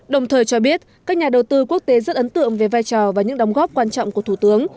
đồng thời cho biết các nhà đầu tư quốc tế rất ấn tượng về vai trò và những đóng góp quan trọng của thủ tướng